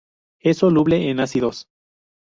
Es soluble en ácidos.